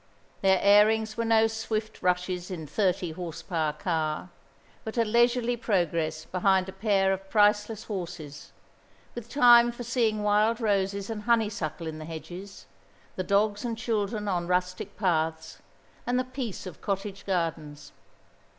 Their airings were no swift rushes in thirty horse power car, but a leisurely progress behind a pair of priceless horses, with time for seeing wild roses and honeysuckle in the hedges, the dogs and children on rustic paths, and the peace of cottage gardens.